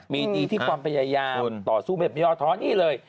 มีที่ที่ความพยายามต่อสู้เม็ดมียอทรนี่เลย